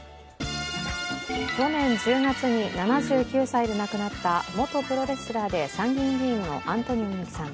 去年１０月に７９歳で亡くなった元プロレスラーで参議員議員のアントニオ猪木さん。